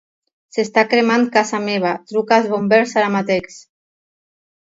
S'està cremant casa meva; truca als bombers ara mateix.